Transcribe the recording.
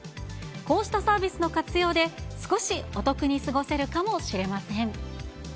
こうしたサービスの活用で、少しお得に過ごせるかもしれません。